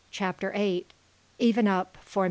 CHAPTER VIII EVEN UP FOR MR.